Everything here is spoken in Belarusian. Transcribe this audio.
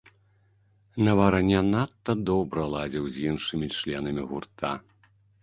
Навара не надта добра ладзіў з іншымі членамі гурта.